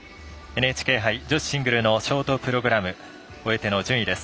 ＮＨＫ杯女子シングルのショートプログラム終えての順位です。